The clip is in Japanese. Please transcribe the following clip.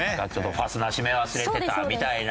ファスナー閉め忘れてたみたいな。